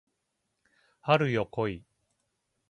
春よ来い